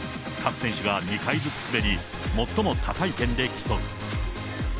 各選手が２回ずつ滑り、最も高い点で競う。